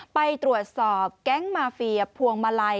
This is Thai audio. ไปตรวจสอบแก๊งมาเฟียพวงมาลัย